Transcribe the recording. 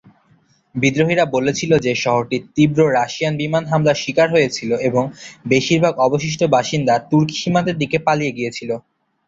বিদ্রোহীরা বলেছিল যে শহরটি তীব্র রাশিয়ান বিমান হামলার শিকার হয়েছিল এবং বেশিরভাগ অবশিষ্ট বাসিন্দা তুর্কি সীমান্তের দিকে পালিয়ে গিয়েছিল।